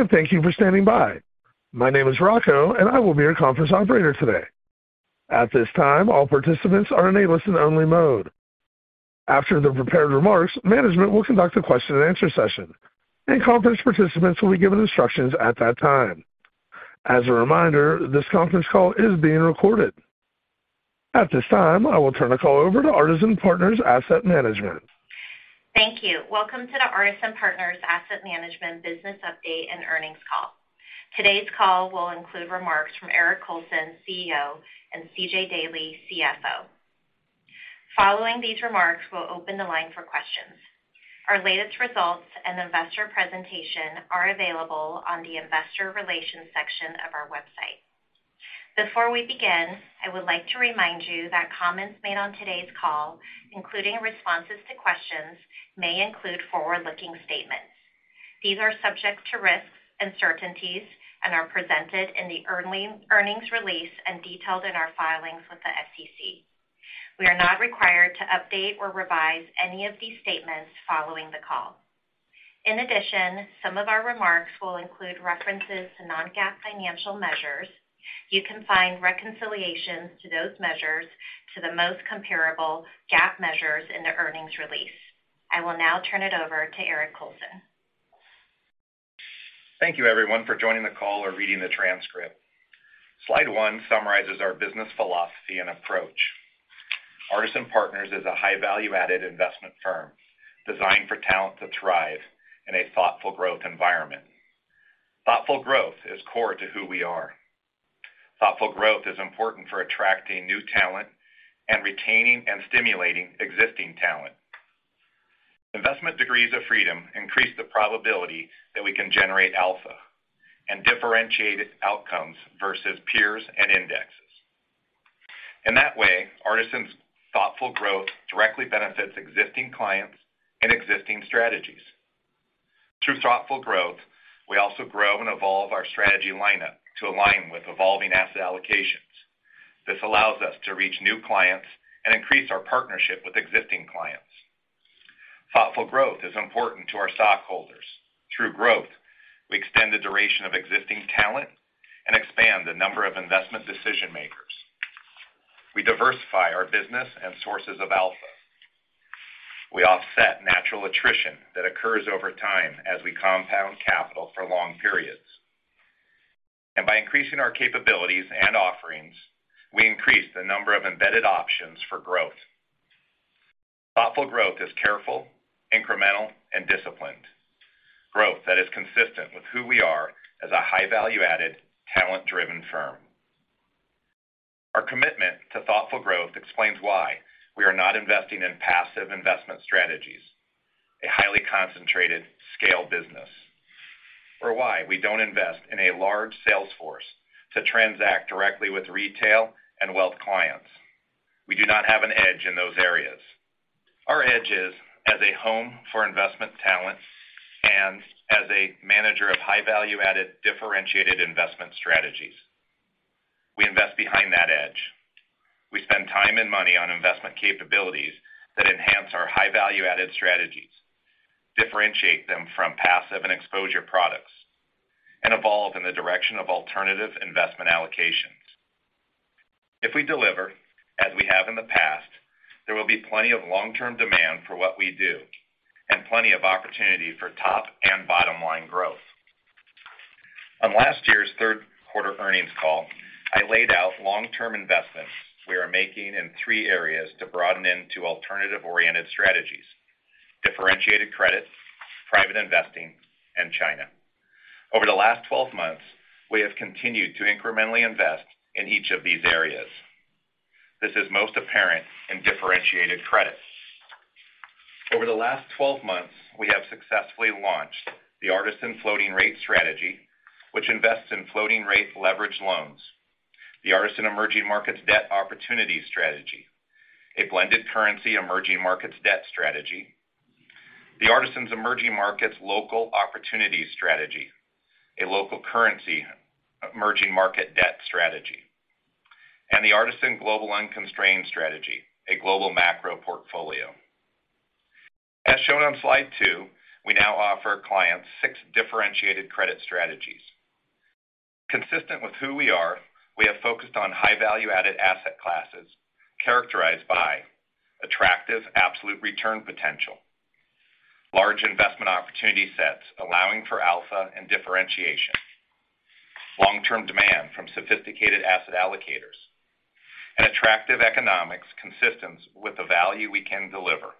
Hello, and thank you for standing by. My name is Rocco, and I will be your conference operator today. At this time, all participants are in a listen only mode. After the prepared remarks, management will conduct a question and answer session, and conference participants will be given instructions at that time. As a reminder, this conference call is being recorded. At this time, I will turn the call over to Artisan Partners Asset Management. Thank you. Welcome to the Artisan Partners Asset Management business update and earnings call. Today's call will include remarks from Eric Colson, CEO, and C.J. Daley, CFO. Following these remarks, we'll open the line for questions. Our latest results and investor presentation are available on the investor relations section of our website. Before we begin, I would like to remind you that comments made on today's call, including responses to questions, may include forward-looking statements. These are subject to risks, uncertainties, and are presented in the earnings release and detailed in our filings with the SEC. We are not required to update or revise any of these statements following the call. In addition, some of our remarks will include references to non-GAAP financial measures. You can find reconciliations to those measures to the most comparable GAAP measures in the earnings release. I will now turn it over to Eric Colson. Thank you everyone for joining the call or reading the transcript. Slide one summarizes our business philosophy and approach. Artisan Partners is a high value-added investment firm designed for talent to thrive in a thoughtful growth environment. Thoughtful growth is core to who we are. Thoughtful growth is important for attracting new talent and retaining and stimulating existing talent. Investment degrees of freedom increase the probability that we can generate alpha and differentiate outcomes versus peers and indexes. In that way, Artisan's thoughtful growth directly benefits existing clients and existing strategies. Through thoughtful growth, we also grow and evolve our strategy lineup to align with evolving asset allocations. This allows us to reach new clients and increase our partnership with existing clients. Thoughtful growth is important to our stockholders. Through growth, we extend the duration of existing talent and expand the number of investment decision-makers. We diversify our business and sources of alpha. We offset natural attrition that occurs over time as we compound capital for long periods. By increasing our capabilities and offerings, we increase the number of embedded options for growth. Thoughtful growth is careful, incremental, and disciplined. Growth that is consistent with who we are as a high value-added, talent-driven firm. Our commitment to thoughtful growth explains why we are not investing in passive investment strategies, a highly concentrated scale business. Why we don't invest in a large sales force to transact directly with retail and wealth clients. We do not have an edge in those areas. Our edge is as a home for investment talent and as a manager of high value-added differentiated investment strategies. We invest behind that edge. We spend time and money on investment capabilities that enhance our high value-added strategies, differentiate them from passive and exposure products, and evolve in the direction of alternative investment allocations. If we deliver, as we have in the past, there will be plenty of long-term demand for what we do, and plenty of opportunity for top and bottom-line growth. On last year's third quarter earnings call, I laid out long-term investments we are making in three areas to broaden into alternative-oriented strategies, differentiated credits, private investing, and China. Over the last 12 months, we have continued to incrementally invest in each of these areas. This is most apparent in differentiated credits. Over the last 12 months, we have successfully launched the Artisan Floating Rate Strategy, which invests in floating rate leveraged loans. The Artisan Emerging Markets Debt Opportunities Strategy, a blended currency emerging markets debt strategy. The Artisan Emerging Markets Local Opportunities Strategy, a local currency emerging market debt strategy. The Artisan Global Unconstrained Strategy, a global macro portfolio. As shown on slide two, we now offer clients six differentiated credit strategies. Consistent with who we are, we have focused on high value-added asset classes characterized by attractive absolute return potential, large investment opportunity sets allowing for alpha and differentiation, long-term demand from sophisticated asset allocators, and attractive economics consistent with the value we can deliver.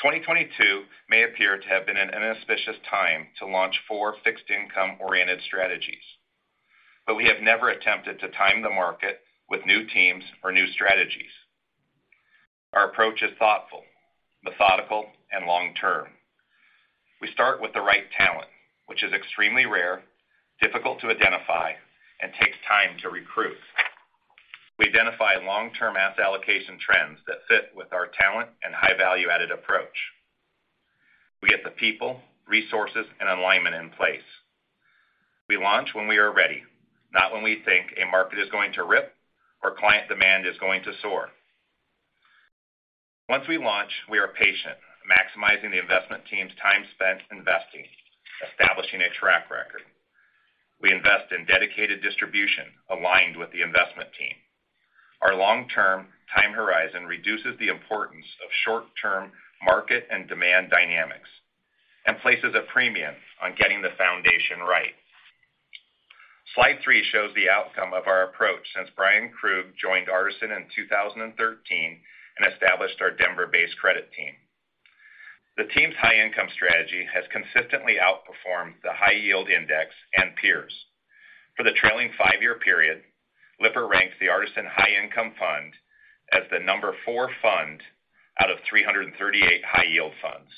2022 may appear to have been an inauspicious time to launch four fixed income-oriented strategies, but we have never attempted to time the market with new teams or new strategies. Our approach is thoughtful, methodical, and long-term. We start with the right talent, which is extremely rare, difficult to identify, and takes time to recruit. We identify long-term asset allocation trends that fit with our talent and high value-added approach. We get the people, resources, and alignment. We launch when we are ready, not when we think a market is going to rip or client demand is going to soar. Once we launch, we are patient, maximizing the investment team's time spent investing, establishing a track record. We invest in dedicated distribution aligned with the investment team. Our long-term time horizon reduces the importance of short-term market and demand dynamics, and places a premium on getting the foundation right. Slide three shows the outcome of our approach since Bryan Krug joined Artisan in 2013 and established our Denver-based Credit Team. The team's High Income Strategy has consistently outperformed the high-yield index and peers. For the trailing five-year period, Lipper ranks the Artisan High Income Fund as the number four fund out of 338 high-yield funds.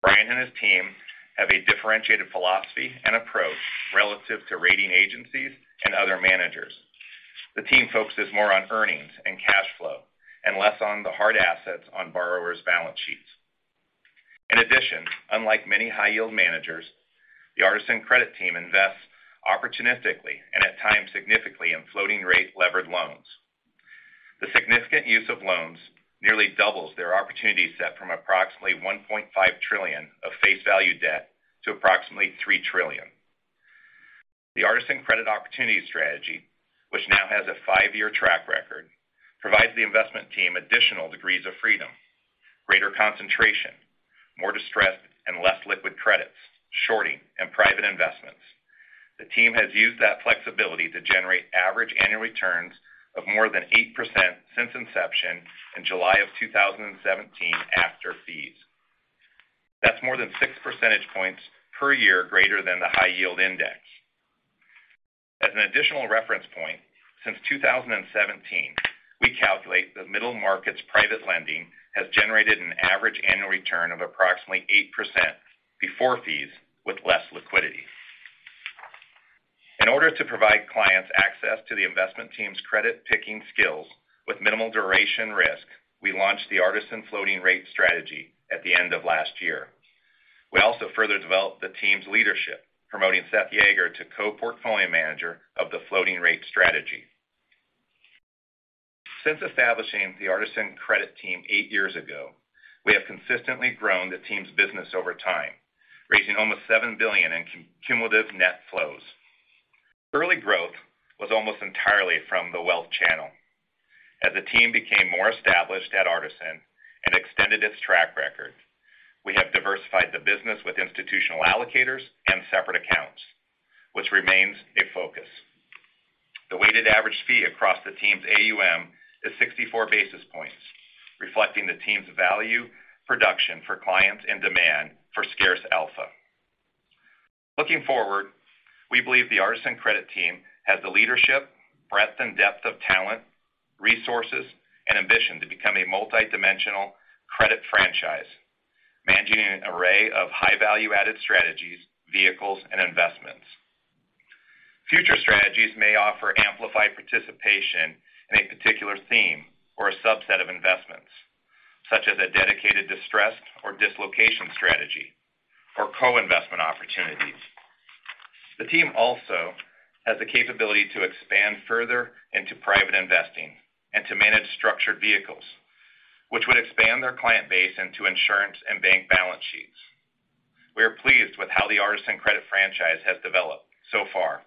Bryan and his team have a differentiated philosophy and approach relative to rating agencies and other managers. The team focuses more on earnings and cash flow, and less on the hard assets on borrowers' balance sheets. In addition, unlike many high-yield managers, the Artisan Credit Team invests opportunistically, and at times significantly in floating rate levered loans. The significant use of loans nearly doubles their opportunity set from approximately $1.5 trillion of face value debt to approximately $3 trillion. The Artisan Credit Opportunities Strategy, which now has a five-year track record, provides the investment team additional degrees of freedom, greater concentration, more distressed and less liquid credits, shorting, and private investments. The team has used that flexibility to generate average annual returns of more than 8% since inception in July 2017 after fees. That's more than 6 percentage points per year greater than the high-yield index. As an additional reference point, since 2017, we calculate that middle market's private lending has generated an average annual return of approximately 8% before fees with less liquidity. In order to provide clients access to the investment team's credit-picking skills with minimal duration risk, we launched the Artisan Floating Rate Strategy at the end of last year. We also further developed the team's leadership, promoting Seth Yeager to Co-Portfolio Manager of the Floating Rate Strategy. Since establishing the Artisan Credit Team eight years ago, we have consistently grown the team's business over time, raising almost $7 billion in cumulative net flows. Early growth was almost entirely from the wealth channel. As the team became more established at Artisan and extended its track record, we have diversified the business with institutional allocators and separate accounts, which remains a focus. The weighted average fee across the team's AUM is 64 basis points, reflecting the team's value, production for clients, and demand for scarce alpha. Looking forward, we believe the Artisan Credit Team has the leadership, breadth and depth of talent, resources, and ambition to become a multidimensional credit franchise, managing an array of high-value-added strategies, vehicles, and investments. Future strategies may offer amplified participation in a particular theme or a subset of investments, such as a dedicated distressed or dislocation strategy or co-investment opportunities. The team also has the capability to expand further into private investing and to manage structured vehicles, which would expand their client base into insurance and bank balance sheets. We are pleased with how the Artisan credit franchise has developed so far,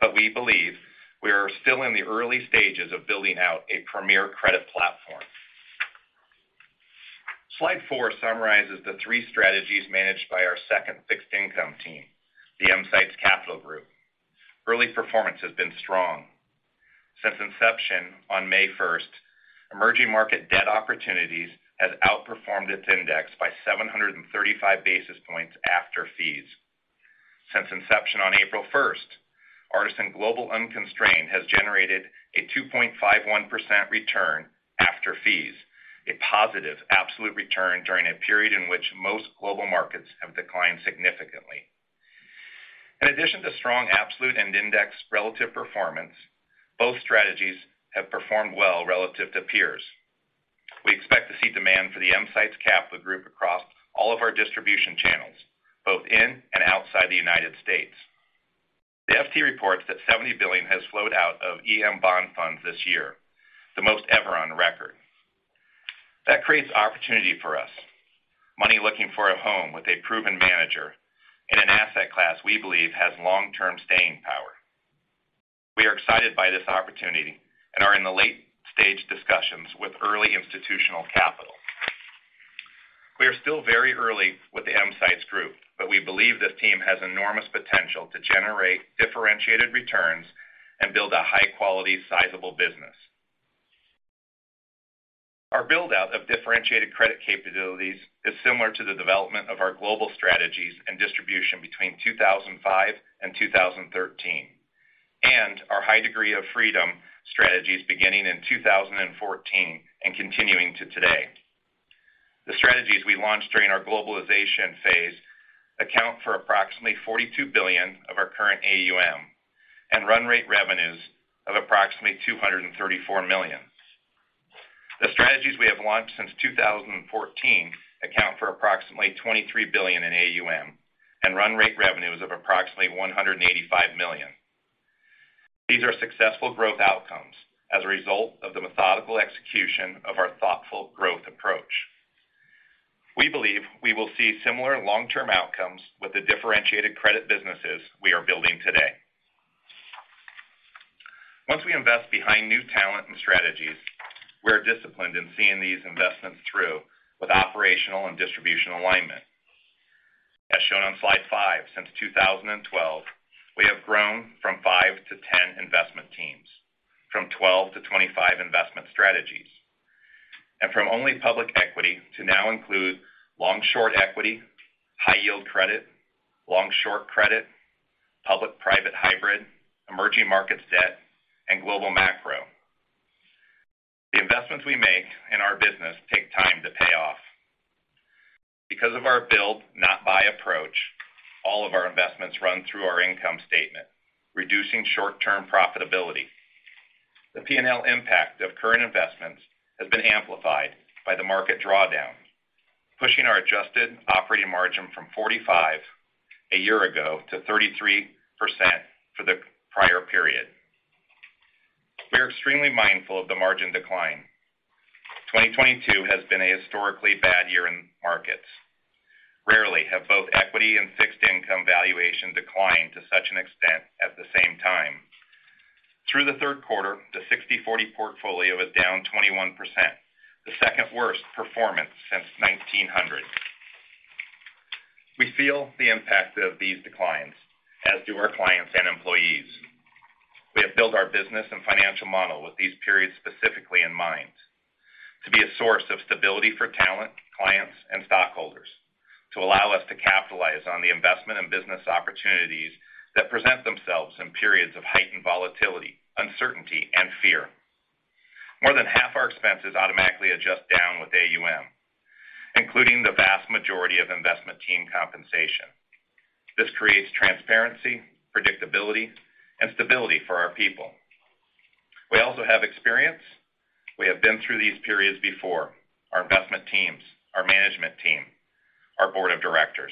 but we believe we are still in the early stages of building out a premier credit platform. Slide four summarizes the three strategies managed by our second fixed income team, the EMsights Capital Group. Early performance has been strong. Since inception on May 1st, Emerging Markets Debt Opportunities has outperformed its index by 735 basis points after fees. Since inception on April 1st, Artisan Global Unconstrained Strategy has generated a 2.51% return after fees, a positive absolute return during a period in which most global markets have declined significantly. In addition to strong absolute and index relative performance, both strategies have performed well relative to peers. We expect to see demand for the EMsights Capital Group across all of our distribution channels, both in and outside the United States. The FT reports that $70 billion has flowed out of EMsights Capital Group bond funds this year, the most ever on record. That creates opportunity for us, money looking for a home with a proven manager in an asset class we believe has long-term staying power. We are excited by this opportunity and are in the late-stage discussions with early institutional capital. We are still very early with the EMsights Capital Group, but we believe this team has enormous potential to generate differentiated returns and build a high-quality, sizable business. Our build-out of differentiated credit capabilities is similar to the development of our global strategies and distribution between 2005 and 2013, and our high degree of freedom strategies beginning in 2014 and continuing to today. The strategies we launched during our globalization phase account for approximately $42 billion of our current AUM and run rate revenues of approximately $234 million. The strategies we have launched since 2014 account for approximately $23 billion in AUM and run rate revenues of approximately $185 million. These are successful growth outcomes as a result of the methodical execution of our thoughtful growth approach. We believe we will see similar long-term outcomes with the differentiated credit businesses we are building today. Once we invest behind new talent and strategies, we are disciplined in seeing these investments through with operational and distribution alignment. As shown on slide five, since 2012, we have grown from five to 10 investment teams, from 12 to 25 investment strategies, and from only public equity to now include long short equity, high yield credit, long short credit, public-private hybrid, emerging market debt, and global macro. The investments we make in our business take time to pay off. Because of our build, not buy approach, all of our investments run through our income statement, reducing short-term profitability. The P&L impact of current investments has been amplified by the market drawdown, pushing our adjusted operating margin from 45% a year ago to 33% for the prior period. We are extremely mindful of the margin decline. 2022 has been a historically bad year in markets. Rarely have both equity and fixed income valuation declined to such an extent at the same time. Through the third quarter, the 60/40 portfolio was down 21%, the second-worst performance since 1900. We feel the impact of these declines, as do our clients and employees. We have built our business and financial model with these periods, specifically in mind, to be a source of stability for talent, clients, and stockholders, to allow us to capitalize on the investment and business opportunities that present themselves in periods of heightened volatility, uncertainty, and fear. More than half our expenses automatically adjust down with AUM, including the vast majority of investment team compensation. This creates transparency, predictability, and stability for our people. We also have experience. We have been through these periods before, our investment teams, our management team, our board of directors.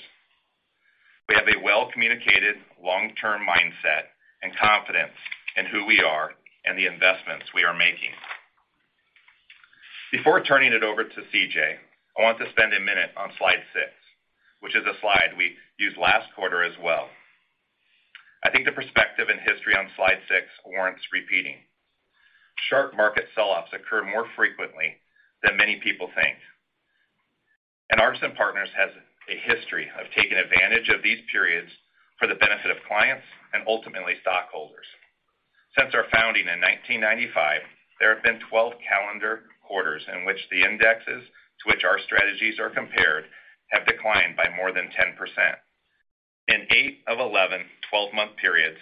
We have a well-communicated long-term mindset and confidence in who we are and the investments we are making. Before turning it over to C.J., I want to spend a minute on slide six, which is a slide we used last quarter as well. I think the perspective and history on slide six warrants repeating. Sharp market sell-offs occur more frequently than many people think, and Artisan Partners has a history of taking advantage of these periods for the benefit of clients and ultimately stockholders. Since our founding in 1995, there have been 12 calendar quarters in which the indexes to which our strategies are compared have declined by more than 10%. In eight of 11 twelve-month periods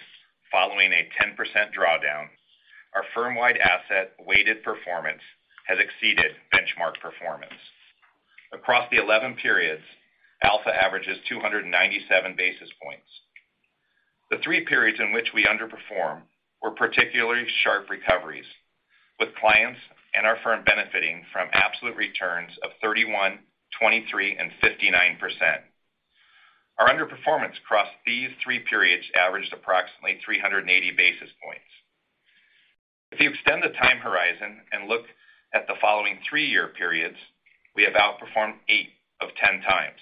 following a 10% drawdown, our firm-wide asset weighted performance has exceeded benchmark performance. Across the 11 periods, alpha averages 297 basis points. The three periods in which we underperform were particularly sharp recoveries, with clients and our firm benefiting from absolute returns of 31%, 23%, and 59%. Our underperformance across these three periods averaged approximately 380 basis points. If you extend the time horizon and look at the following three-year periods, we have outperformed eight of 10 times,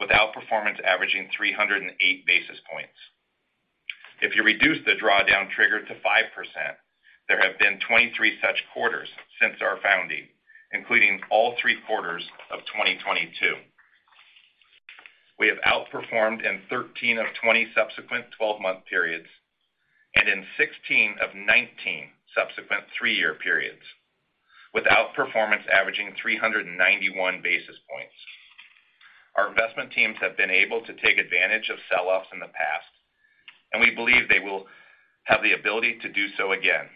with outperformance averaging 308 basis points. If you reduce the drawdown trigger to 5%, there have been 23 such quarters since our founding, including all three quarters of 2022. We have outperformed in 13 of 20 subsequent twelve-month periods and in 16 of 19 subsequent three-year periods, with outperformance averaging 391 basis points. Our investment teams have been able to take advantage of sell-offs in the past, and we believe they will have the ability to do so again.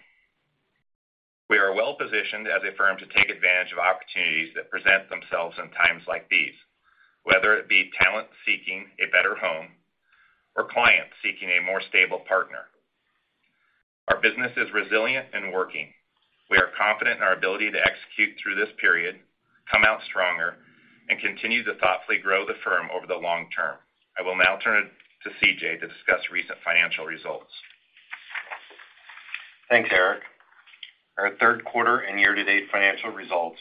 We are well-positioned as a firm to take advantage of opportunities that present themselves in times like these, whether it be talent seeking a better home or clients seeking a more stable partner. Our business is resilient and working. We are confident in our ability to execute through this period, come out stronger, and continue to thoughtfully grow the firm over the long term. I will now turn it to C.J. to discuss recent financial results. Thanks, Eric. Our third quarter and year-to-date financial results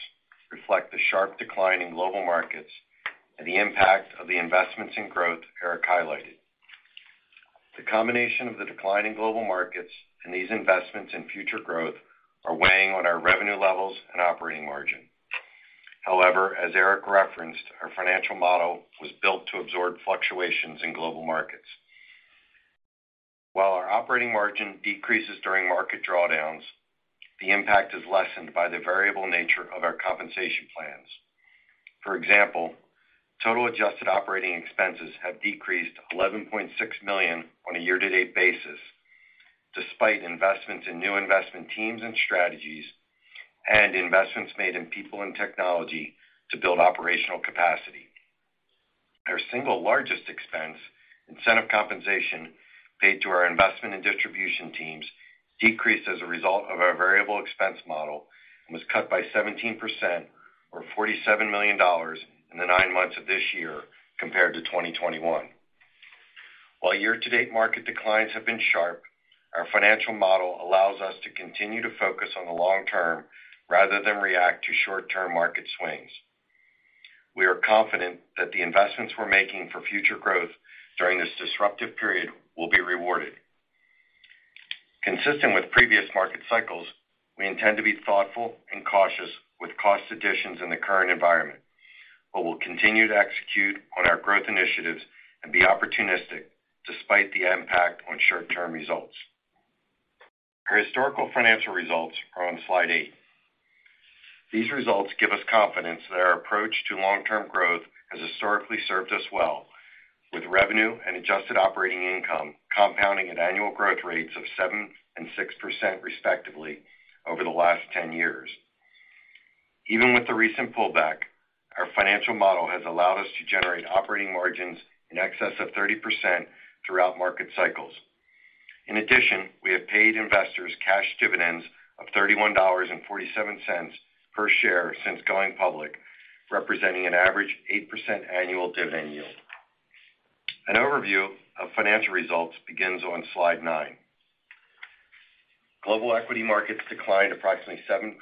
reflect the sharp decline in global markets and the impact of the investments and growth Eric highlighted. The combination of the decline in global markets and these investments in future growth are weighing on our revenue levels and operating margin. However, as Eric referenced, our financial model was built to absorb fluctuations in global markets. While our operating margin decreases during market drawdowns, the impact is lessened by the variable nature of our compensation plans. For example, total adjusted operating expenses have decreased $11.6 million on a year-to-date basis, despite investments in new investment teams and strategies and investments made in people and technology to build operational capacity. Our single largest expense, incentive compensation paid to our investment and distribution teams, decreased as a result of our variable expense model and was cut by 17% or $47 million in the nine months of this year compared to 2021. While year-to-date market declines have been sharp, our financial model allows us to continue to focus on the long term rather than react to short-term market swings. We are confident that the investments we're making for future growth during this disruptive period will be rewarded. Consistent with previous market cycles, we intend to be thoughtful and cautious with cost additions in the current environment, but we'll continue to execute on our growth initiatives and be opportunistic despite the impact on short-term results. Our historical financial results are on slide eight. These results give us confidence that our approach to long-term growth has historically served us well, with revenue and adjusted operating income compounding at annual growth rates of 7% and 6% respectively over the last 10 years. Even with the recent pullback, our financial model has allowed us to generate operating margins in excess of 30% throughout market cycles. In addition, we have paid investors cash dividends of $31.47 per share since going public, representing an average 8% annual dividend yield. An overview of financial results begins on slide nine. Global equity markets declined approximately 7%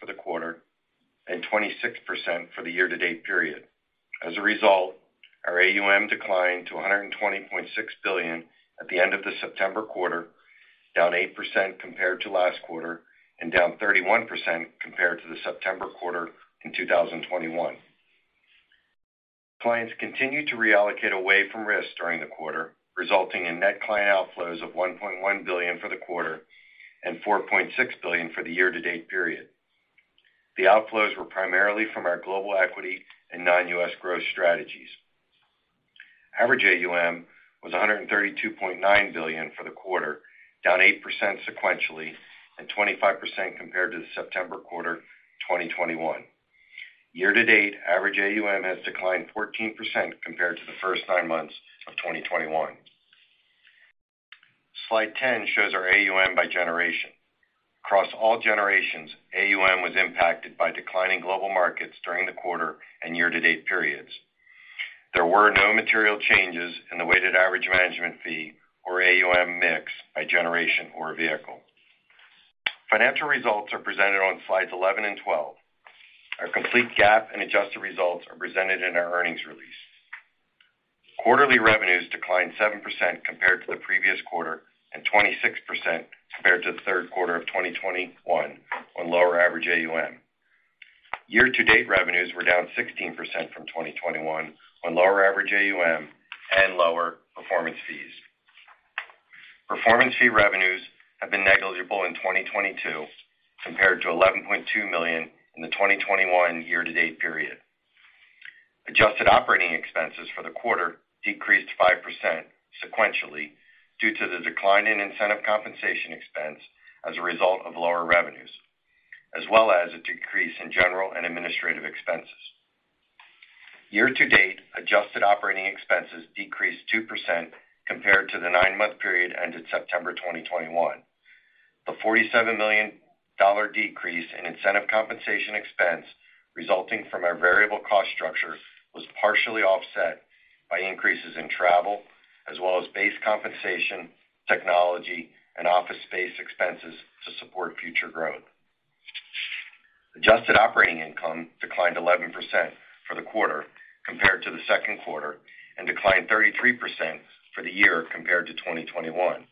for the quarter and 26% for the year-to-date period. As a result, our AUM declined to $120.6 billion at the end of the September quarter, down 8% compared to last quarter and down 31% compared to the September quarter in 2021. Clients continued to reallocate away from risk during the quarter, resulting in net client outflows of $1.1 billion for the quarter and $4.6 billion for the year-to-date period. The outflows were primarily from our global equity and non-U.S. growth strategies. Average AUM was $132.9 billion for the quarter, down 8% sequentially and 25% compared to the September quarter 2021. Year-to-date, average AUM has declined 14% compared to the first nine months of 2021. Slide 10 shows our AUM by generation. Across all generations, AUM was impacted by declining global markets during the quarter and year-to-date periods. There were no material changes in the weighted average management fee or AUM mix by generation or vehicle. Financial results are presented on slides 11 and 12. Our complete GAAP and adjusted results are presented in our earnings release. Quarterly revenues declined 7% compared to the previous quarter and 26% compared to the third quarter of 2021 on lower average AUM. Year-to-date revenues were down 16% from 2021 on lower average AUM and lower performance fees. Performance fee revenues have been negligible in 2022 compared to $11.2 million in the 2021 year-to-date period. Adjusted operating expenses for the quarter decreased 5% sequentially due to the decline in incentive compensation expense as a result of lower revenues, as well as a decrease in general and administrative expenses. Year to date, adjusted operating expenses decreased 2% compared to the nine-month period ended September 2021. The $47 million decrease in incentive compensation expense resulting from our variable cost structure was partially offset by increases in travel as well as base compensation, technology and office space expenses to support future growth. Adjusted operating income declined 11% for the quarter compared to the second quarter and declined 33% for the year compared to 2021.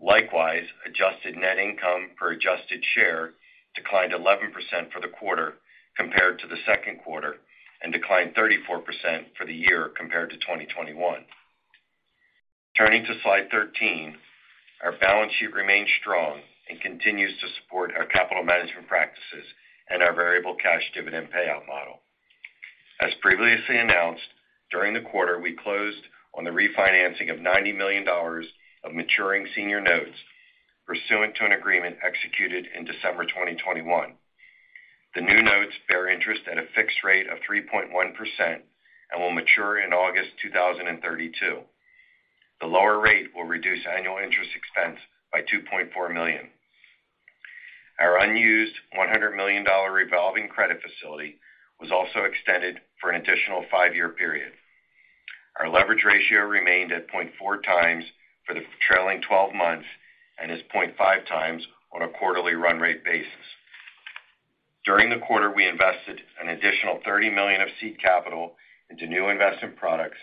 Likewise, adjusted net income per adjusted share declined 11% for the quarter compared to the second quarter and declined 34% for the year compared to 2021. Turning to slide 13, our balance sheet remains strong and continues to support our capital management practices and our variable cash dividend payout model. As previously announced, during the quarter, we closed on the refinancing of $90 million of maturing senior notes pursuant to an agreement executed in December 2021. The new notes bear interest at a fixed rate of 3.1% and will mature in August 2032. The lower rate will reduce annual interest expense by $2.4 million. Our unused $100 million revolving credit facility was also extended for an additional five-year period. Our leverage ratio remained at 0.4x for the trailing twelve months and is 0.5x on a quarterly run rate basis. During the quarter, we invested an additional $30 million of seed capital into new investment products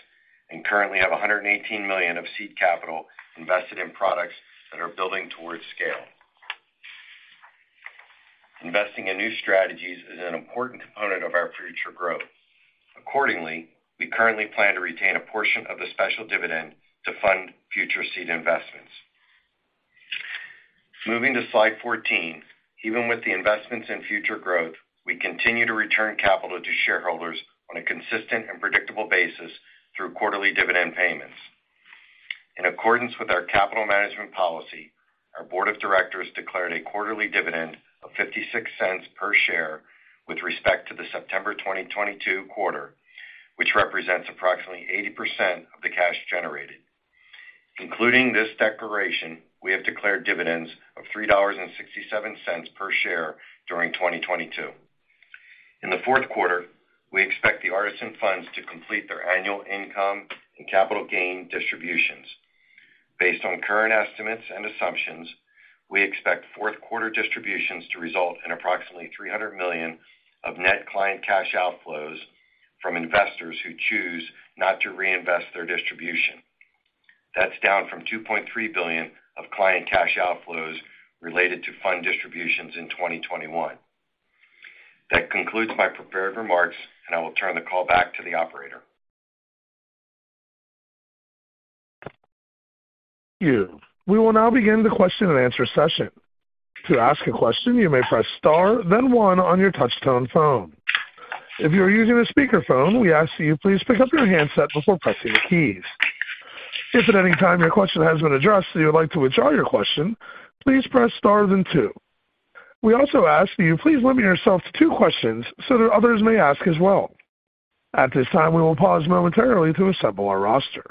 and currently have $118 million of seed capital invested in products that are building towards scale. Investing in new strategies is an important component of our future growth. Accordingly, we currently plan to retain a portion of the special dividend to fund future seed investments. Moving to slide 14, even with the investments in future growth, we continue to return capital to shareholders on a consistent and predictable basis through quarterly dividend payments. In accordance with our capital management policy, our board of directors declared a quarterly dividend of $0.56 per share with respect to the September 2022 quarter, which represents approximately 80% of the cash generated. Including this declaration, we have declared dividends of $3.67 per share during 2022. In the fourth quarter, we expect the Artisan Funds to complete their annual income and capital gain distributions. Based on current estimates and assumptions, we expect fourth quarter distributions to result in approximately $300 million of net client cash outflows from investors who choose not to reinvest their distribution. That's down from $2.3 billion of client cash outflows related to fund distributions in 2021. That concludes my prepared remarks, and I will turn the call back to the operator. Thank you. We will now begin the question-and-answer session. To ask a question, you may press star then one on your touch-tone phone. If you are using a speakerphone, we ask that you please pick up your handset before pressing the keys. If at any time your question has been addressed and you would like to withdraw your question, please press star then two. We also ask that you please limit yourself to two questions so that others may ask as well. At this time, we will pause momentarily to assemble our roster.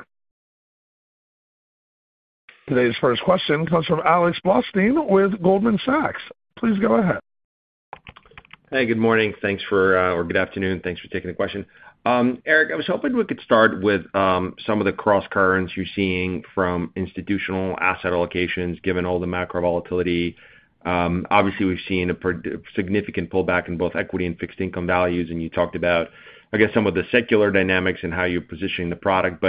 Today's first question comes from Alex Blostein with Goldman Sachs. Please go ahead. Hey, good morning. Thanks for or good afternoon. Thanks for taking the question. Eric, I was hoping we could start with some of the crosscurrents you're seeing from institutional asset allocations given all the macro volatility. Obviously, we've seen a significant pullback in both equity and fixed income values, and you talked about, I guess, some of the secular dynamics and how you're positioning the product.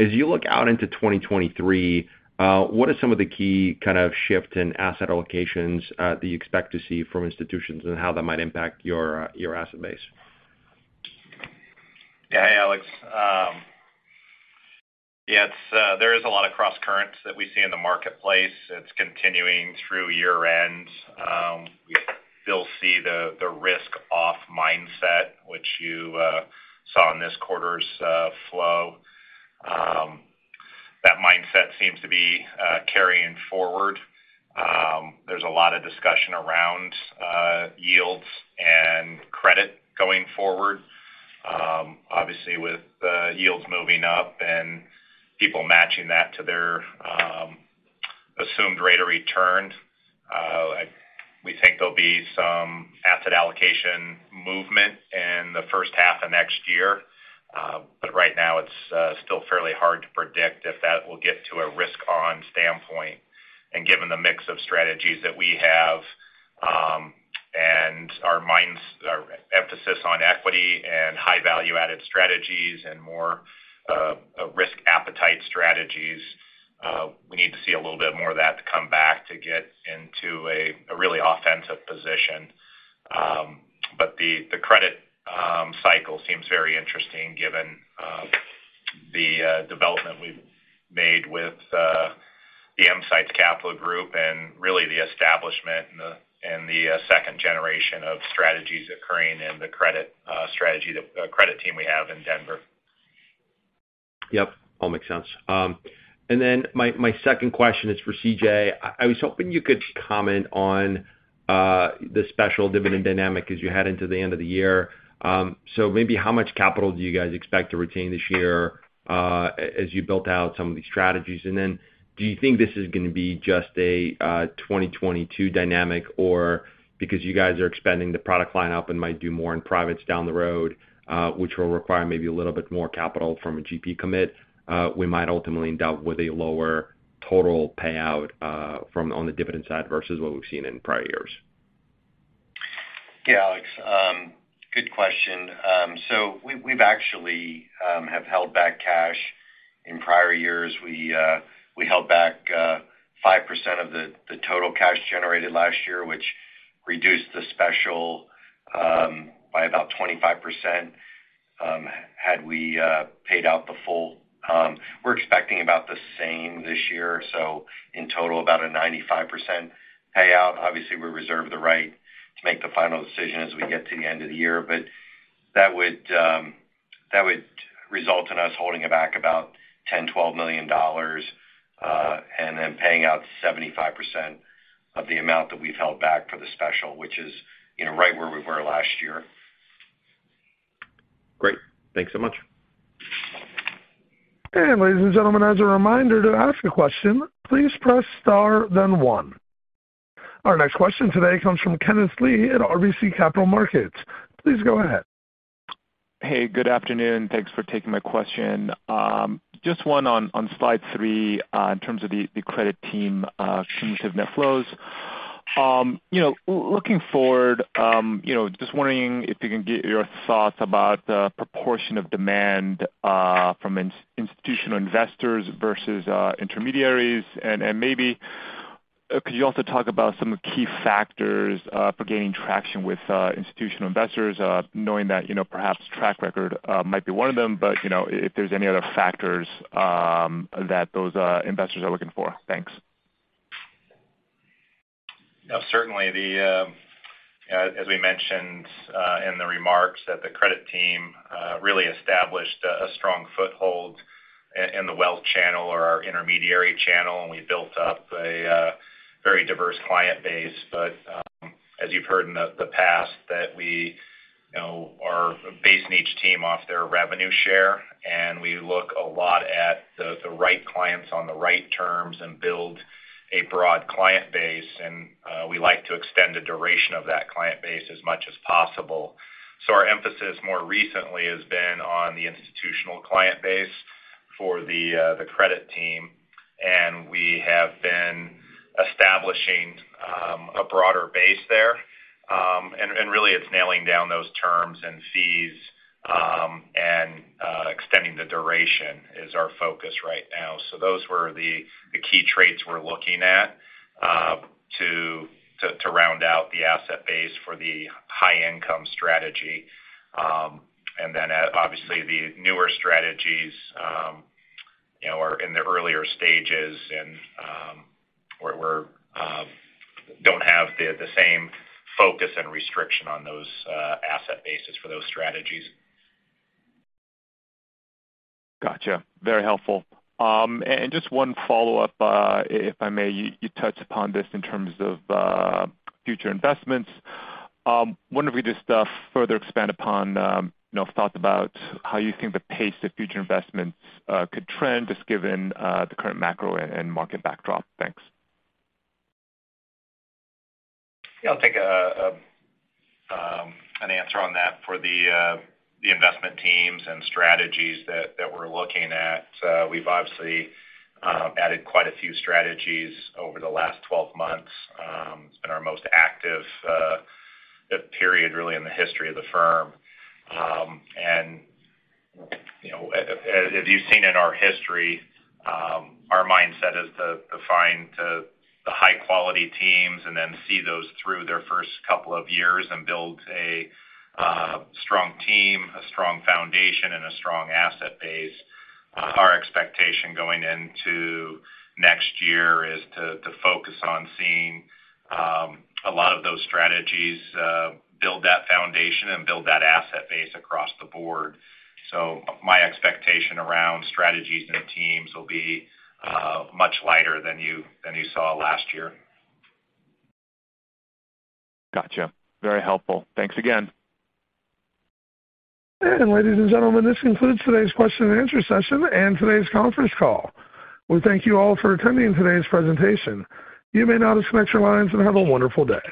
As you look out into 2023, what are some of the key kind of shift in asset allocations that you expect to see from institutions and how that might impact your asset base? Yeah. Hey, Alex. Yeah, there is a lot of crosscurrents that we see in the marketplace. It's continuing through year-end. We still see the risk off mindset which you saw in this quarter's flow. That mindset seems to be carrying forward. There's a lot of discussion around yields and credit going forward. Obviously, with the yields moving up and people matching that to their assumed rate of return, we think there'll be some asset allocation movement in the first half of next year. Right now, it's still fairly hard to predict if that will get to a risk-on standpoint. Given the mix of strategies that we have, our emphasis on equity and high value-added strategies and more risk appetite strategies, we need to see a little bit more of that to come back to get into a really offensive position. The credit cycle seems very interesting given the development we've made with the EMsights Capital Group and really the establishment and the second generation of strategies occurring in the credit strategy, the Credit Team we have in Denver. Yep. All makes sense. My second question is for C.J. I was hoping you could comment on the special dividend dynamic as you head into the end of the year. Maybe how much capital do you guys expect to retain this year as you built out some of these strategies? Do you think this is gonna be just a 2022 dynamic? Or because you guys are expanding the product lineup and might do more in privates down the road, which will require maybe a little bit more capital from a GP commit, we might ultimately end up with a lower total payout on the dividend side versus what we've seen in prior years. Yeah, Alex, good question. So we've actually held back cash in prior years. We held back 5% of the total cash generated last year, which reduced the special by about 25% had we paid out the full. We're expecting about the same this year, so in total, about a 95% payout. Obviously, we reserve the right to make the final decision as we get to the end of the year. That would result in us holding back about $10 million-$12 million and then paying out 75% of the amount that we've held back for the special, which is, you know, right where we were last year. Great. Thanks so much. Ladies and gentlemen, as a reminder, to ask a question, please press star then one. Our next question today comes from Kenneth Lee at RBC Capital Markets. Please go ahead. Hey, good afternoon. Thanks for taking my question. Just one on slide three, in terms of the Credit Team, cumulative net flows. You know, looking forward, you know, just wondering if you can give your thoughts about the proportion of demand from institutional investors versus intermediaries. Maybe could you also talk about some of the key factors for gaining traction with institutional investors, knowing that, you know, perhaps track record might be one of them, but, you know, if there's any other factors that those investors are looking for. Thanks. No, certainly, as we mentioned, in the remarks that the Credit Team really established a strong foothold in the wealth channel or our intermediary channel, and we built up a very diverse client base. As you've heard in the past, that we, you know, are basing each team off their revenue share, and we look a lot at the right clients on the right terms and build a broad client base. We like to extend the duration of that client base as much as possible. Our emphasis more recently has been on the institutional client base for the Credit Team, and we have been establishing a broader base there. Really, it's nailing down those terms and fees, and extending the duration is our focus right now. Those were the key traits we're looking at, to round out the asset base for the High Income Strategy. Obviously the newer strategies, you know, are in the earlier stages and we don't have the same focus and restriction on those asset bases for those strategies. Gotcha. Very helpful. Just one follow-up, if I may. You touched upon this in terms of future investments. Wondering if we could just further expand upon you know thoughts about how you think the pace of future investments could trend just given the current macro and market backdrop. Thanks. Yeah, I'll take an answer on that for the investment teams and strategies that we're looking at, we've obviously added quite a few strategies over the last 12 months. It's been our most active period really in the history of the firm. You know, as you've seen in our history, our mindset is to find the high quality teams and then see those through their first couple of years and build a strong team, a strong foundation, and a strong asset base. Our expectation going into next year is to focus on seeing a lot of those strategies build that foundation and build that asset base across the board. My expectation around strategies and teams will be much lighter than you saw last year. Gotcha. Very helpful. Thanks again. Ladies and gentlemen, this concludes today's question and answer session and today's conference call. We thank you all for attending today's presentation. You may now disconnect your lines and have a wonderful day.